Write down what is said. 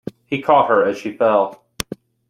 He caught her as she fell.